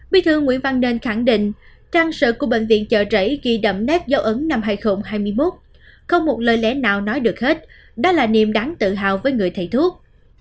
bị thư nguyễn văn nênh khẳng định rằng sự của bệnh viện chợ trẩy ghi đậm nét dấu ấn năm hai nghìn hai mươi một không một lời lẽ nào nói được hết đó là niềm đáng tự hào với người thầy thuốc